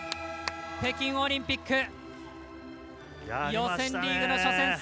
北京オリンピック予選リーグの初戦